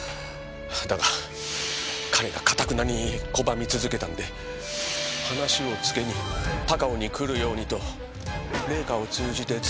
だが彼がかたくなに拒み続けたんで話をつけに高尾に来るようにと礼香を通じて伝えました。